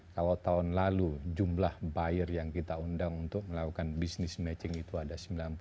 kalau tahun lalu jumlah buyer yang kita undang untuk melakukan business matching itu ada sembilan puluh